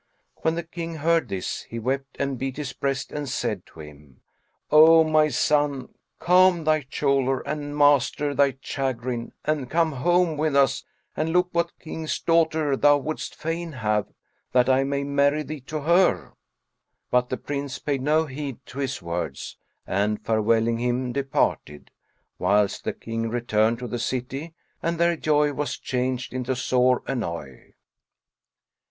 When the King heard this, he wept and beat his breast and said to him, "O my son, calm thy choler and master thy chagrin and come home with us and look what King's daughter thou wouldst fain have, that I may marry thee to her." But the Prince paid no heed to his words and farewelling him departed, whilst the King returned to the city and their joy was changed into sore annoy.